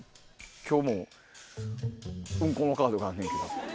今日もウンコのカードがあんねんけど。